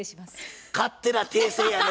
勝手な訂正やね